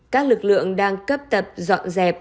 các lực lượng đang cấp tập dọn dẹp